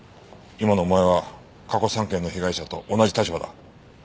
今のお前は過去３件の被害者と同じ立場だ。